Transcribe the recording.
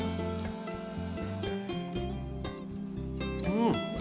うん。